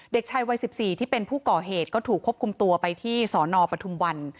เด็กชายวัย๑๔ที่เป็นผู้ก่อเหตุก็ถูกควบคุมตัวไปที่สนปทุมวัน